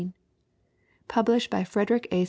Published by Frederick A.